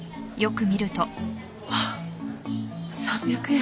あっ３００円。